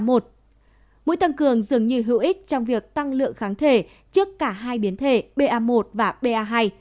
mũi tăng cường dường như hữu ích trong việc tăng lượng kháng thể trước cả hai biến thể ba một và ba hai